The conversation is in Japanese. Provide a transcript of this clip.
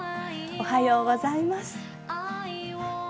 おはようございます。